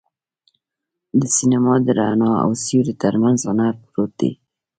د سینما د رڼا او سیوري تر منځ هنر پروت دی.